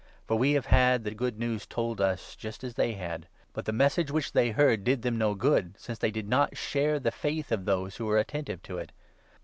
For we have had. the Good News told us just as they had. But the Message which they heard did them no good, since they did not share the faith of those who were attentive to it.